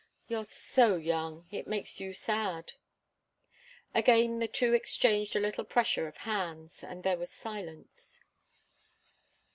You're so young. It makes you sad." Again the two exchanged a little pressure of hands, and there was silence.